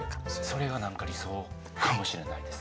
それが何か理想かもしれないです。